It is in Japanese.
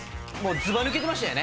ずばぬけてましたよね。